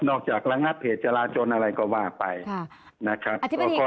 กระงับเหตุจราจนอะไรก็ว่าไปนะครับ